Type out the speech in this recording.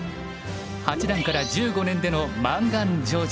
八段から１５年での満願成就。